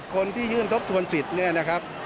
คนที่ยื่นทบทวนสิทธิ์เนี่ยนะครับ